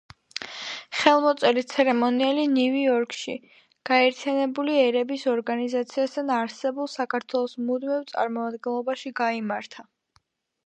ხელმოწერის ცერემონიალი ნიუ-იორკში, გაერთიანებული ერების ორგანიზაციასთან არსებულ საქართველოს მუდმივ წარმომადგენლობაში გაიმართა.